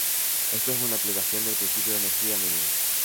Esto es una aplicación del principio de energía mínima.